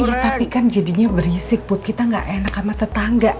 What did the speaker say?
iya tapi kan jadinya berisik put kita gak enak sama tetangga